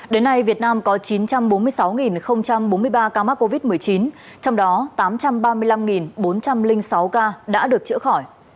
đến nay việt nam có chín trăm bốn mươi sáu bốn mươi ba ca mắc covid một mươi chín trong đó tám trăm ba mươi năm bốn trăm linh sáu ca đã được chữa khỏi